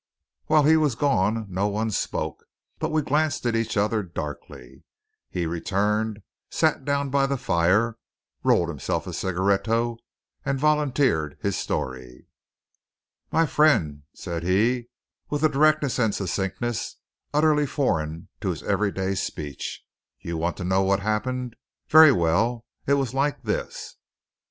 While he was gone no one spoke, but we glanced at each other darkly. He returned, sat down by the fire, rolled himself a cigaretto, and volunteered his story. "My fren'," said he, with a directness and succinctness utterly foreign to his everyday speech, "you want to know what happen'. Ver' well; it was like this."